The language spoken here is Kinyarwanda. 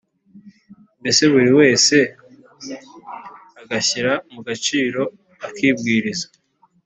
” mbese buri wese agashyira mu gaciro akibwiriza.